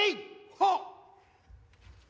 はっ！